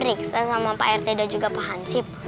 riksa sama pak rt dan juga pak hansip